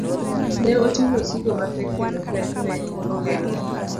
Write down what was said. Ne oting'o osigo mapek kendo pek ne ohewe.